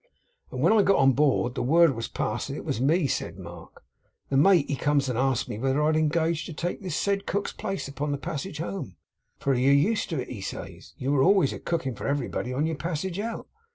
'And when I got on board, and the word was passed that it was me,' said Mark, 'the mate he comes and asks me whether I'd engage to take this said cook's place upon the passage home. "For you're used to it," he says; "you were always a cooking for everybody on your passage out."